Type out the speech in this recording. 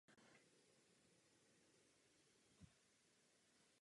Získala několik medailí na kontinentální úrovni.